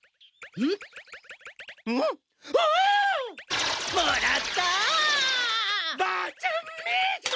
えっ？